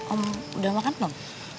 om udah makan belum